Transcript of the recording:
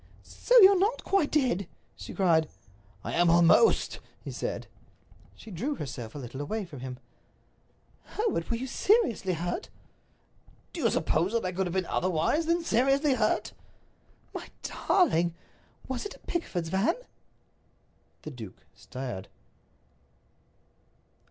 "So you're not quite dead?" she cried. "I am almost," he said. She drew herself a little away from him. "Hereward, were you seriously hurt?" "Do you suppose that I could have been otherwise than seriously hurt?" "My darling! Was it a Pickford's van?" The duke stared.